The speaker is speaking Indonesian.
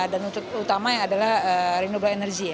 dan untuk utama yang adalah renewable